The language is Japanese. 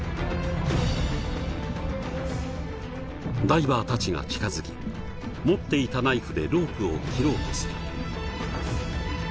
ダイバーたちが近づき持っていたナイフでロープを切ろうとする。